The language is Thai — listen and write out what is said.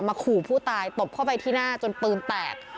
ขู่ผู้ตายตบเข้าไปที่หน้าจนปืนแตก